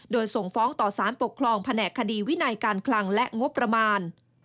โดยส่งฟ้องต่อสารปกครองแผนกคดีวินัยการคลังและงบประมาณ